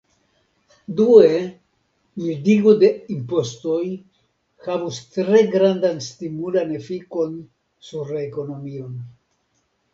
Due, mildigo de impostoj havus tre grandan stimulan efikon sur la ekonomion.